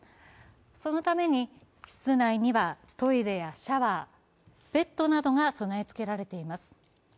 そのために、室内にはトイレやシャワー、ベッドなどが備えつけられています。